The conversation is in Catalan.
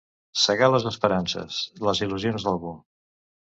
Segar les esperances, les il·lusions, d'algú.